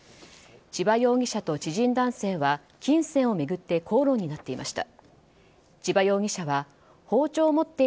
千葉容疑者と知人男性は金銭を巡って口論になっていました。